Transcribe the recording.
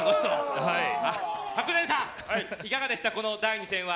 白善さん、いかがでしたこの第２戦は？